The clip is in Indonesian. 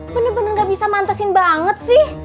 bener bener gak bisa mantesin banget sih